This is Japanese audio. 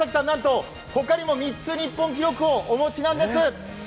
なんと、他にも３つ、日本記録をお持ちなんです。